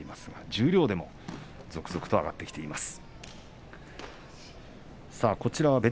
十両でも続々と上がってきています。